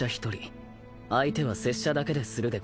相手は拙者だけでするでござる。